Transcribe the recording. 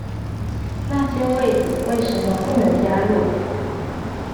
那些位子為什麼不能加入？